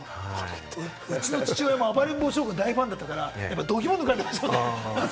うちの父親も『暴れん坊将軍』の大ファンだったから度肝抜かれてました。